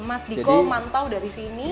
mas diko mantau dari sini